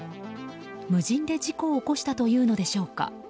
無人で事故を起こしたというのでしょうか。